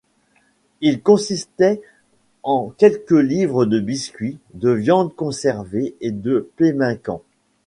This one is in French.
Ils consistaient en quelques livres de biscuit, de viande conservée et de pemmican.